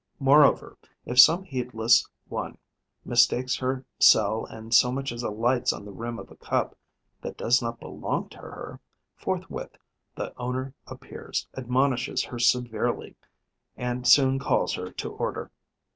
Moreover, if some heedless one mistakes her cell and so much as alights on the rim of a cup that does not belong to her, forthwith the owner appears, admonishes her severely and soon calls her to order.